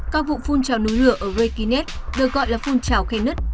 các vụ phun trào núi lửa ở reykjanes được gọi là phun trào khen nứt